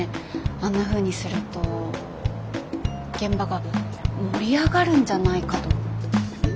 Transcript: あんなふうにすると現場が盛り上がるんじゃないかと。